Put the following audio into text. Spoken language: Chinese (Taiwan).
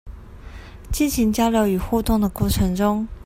進行交流與互動的過程中